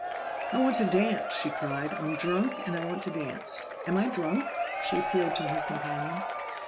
"I want to dance!" she cried. "I'm drunk and I want to dance! Am I drunk?" she appealed to her companion.